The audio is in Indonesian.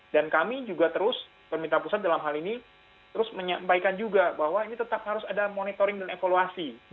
dan kami juga terus pemerintah pusat dalam hal ini terus menyampaikan juga bahwa ini tetap harus ada monitoring dan evaluasi